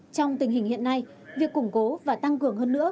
trong tình hình hiện nay việc củng cố và tăng cường hơn nữa